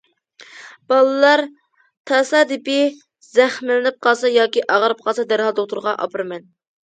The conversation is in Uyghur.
بالىلار تاسادىپىي زەخىملىنىپ قالسا ياكى ئاغرىپ قالسا دەرھال دوختۇرغا ئاپىرىمەن.